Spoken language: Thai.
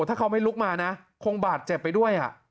ถ้าเขาไม่ลุกมานะคงบาดเจ็บไปด้วย